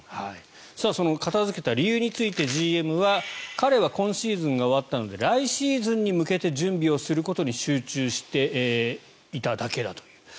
その片付けた理由についてＧＭは彼は今シーズンが終わったので来シーズンに向けて準備をすることに集中していただけだと。